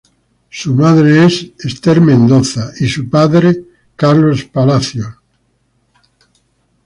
Su padre es Carlos Palacios Andrade y su madre Esther Mendoza de Palacios.